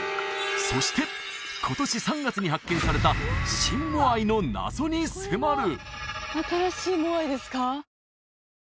そして今年３月に発見されたシン・モアイの謎に迫る！